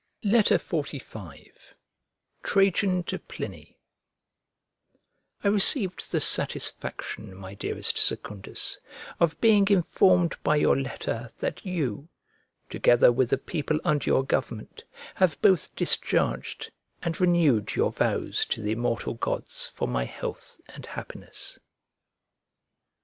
XLV TRAJAN TO PLINY I RECEIVED the satisfaction, my dearest Secundus, of being informed by your letter that you, together with the people under your government, have both discharged and renewed your vows to the immortal gods for my health and happiness.